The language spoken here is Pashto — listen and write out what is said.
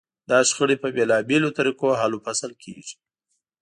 دا شخړې په بېلابېلو طریقو حل و فصل کېږي.